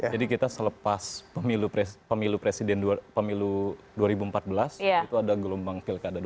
jadi kita selepas pemilu presiden pemilu dua ribu empat belas itu ada gelombang pilkada